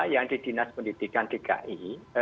yang di dinas pendidikan dki